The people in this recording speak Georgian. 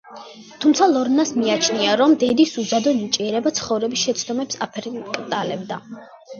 თუმცა, ლორნას მიაჩნია, რომ დედის უზადო ნიჭიერება ცხოვრების შეცდომებს აფერმკრთალებდა.